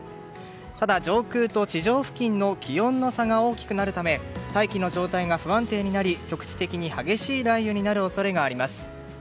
ただ、上空と地上付近の気温差が大きくなるため大気の状態が不安定になり局地的に激しい雷雨になる恐れがあります。